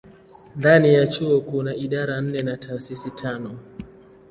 Ndani ya chuo kuna idara nne na taasisi tano.